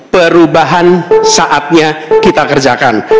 perubahan saatnya kita kerjakan